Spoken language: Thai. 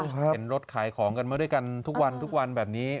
เห็นรถขายของกันมาด้วยกันทุกวันทุกวันแบบนี้